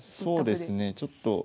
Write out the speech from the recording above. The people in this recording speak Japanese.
そうですねちょっと。